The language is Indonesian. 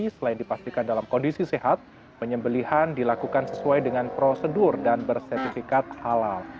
selain dipastikan dalam kondisi sehat penyembelihan dilakukan sesuai dengan prosedur dan bersertifikat halal